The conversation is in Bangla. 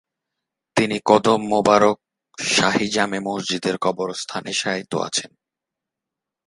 তিনি কদম মোবারক শাহী জামে মসজিদের কবরস্থানে শায়িত আছেন।